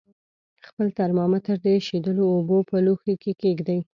خپل ترمامتر د ایشېدلو اوبو په لوښي کې کیږدئ.